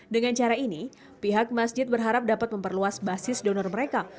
dengan cara ini pihak masjid berharap dapat memperluas basis donor mereka